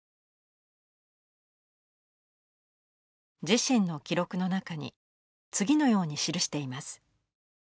自身の記録の中に次のように記しています。